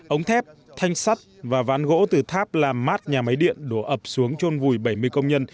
ống thép thanh sắt và ván gỗ từ tháp làm mát nhà máy điện đổ ập xuống trôn vùi bảy mươi công nhân